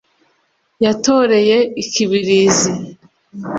Yatoreye i Kibirizi.